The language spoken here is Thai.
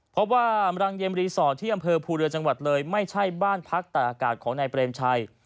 เพราะว่ารังเย็นรีสอร์ทที่อำเภอภูเรือจังหวัดเลยไม่ใช่บ้านพักตาอากาศของนายเปรมชัย